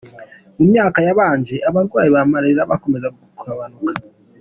Mu myaka yabanje, abarwayi ba malaria bakomezaga kugabanuka.